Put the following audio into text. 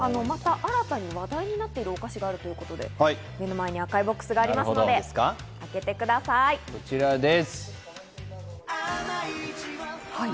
新たに話題になってるお菓子があるということで目の前に赤いボックスがあるので開けてくださこちらです。